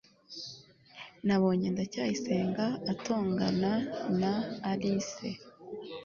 nabonye ndacyayisenga atongana na alice